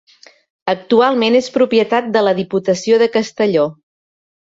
Actualment és propietat de la Diputació de Castelló.